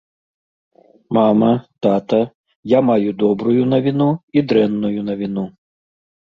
Мама, тата, я маю добрую навіну і дрэнную навіну.